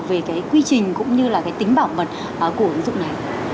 về cái quy trình cũng như là cái tính bảo mật của ứng dụng này